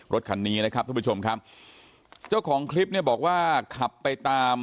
รถคันนี้นะครับทุกผู้ชมครับเจ้าของคลิปเนี่ยบอกว่าขับไปตาม